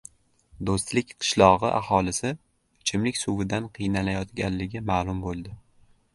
Do‘stlik qishlog‘i aholisi ichimlik suvidan qiynalayotganligi ma’lum bo‘ldi